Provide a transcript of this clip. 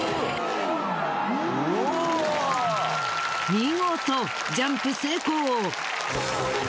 見事ジャンプ成功！